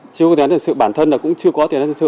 chưa có tiền thần sự bản thân là cũng chưa có tiền thần sự